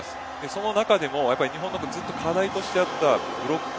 その中でも日本でずっと課題としてあったブロック